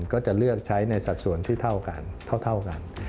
ก็จะเลือกใช้ในสัดส่วนที่เท่ากัน